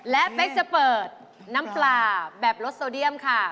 และเป๊กจะเปิดน้ำปลาแบบรสโซเดียมค่ะ